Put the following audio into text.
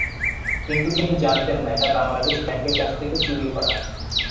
কিন্তু তিনি জানতেন না, এটা বাংলাদেশ ব্যাংকের কাছ থেকে চুরি করা।